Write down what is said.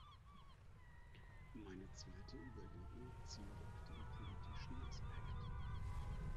Meine zweite Überlegung zielt auf den politischen Aspekt.